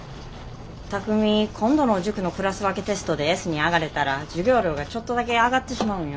巧海今度の塾のクラス分けテストでＳに上がれたら授業料がちょっとだけ上がってしまうんよ。